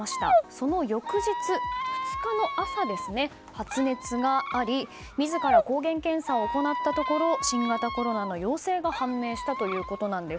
その翌日、２日の朝発熱があり自ら抗原検査を行ったところ新型コロナの陽性が判明したということなんです。